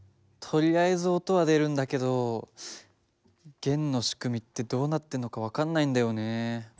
とりあえず音は出るんだけど弦の仕組みってどうなってんのか分かんないんだよね。